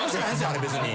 あれ別に。